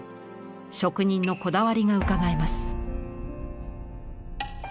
職人のこだわりがうかがえます。